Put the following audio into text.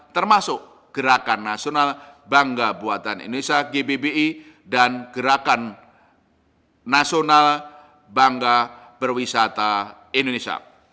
termasuk gerakan nasional bangga buatan indonesia gbbi dan gerakan nasional bangga berwisata indonesia